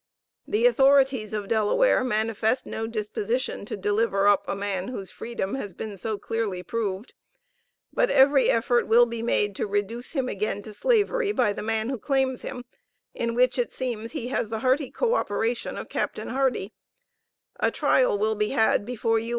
The authorities of Delaware manifest no disposition to deliver up a man whose freedom has been so clearly proved; but every effort will be made to reduce him again to slavery by the man who claims him, in which, it seems, he has the hearty co operation of Capt. Hardie. A trial will be had before U.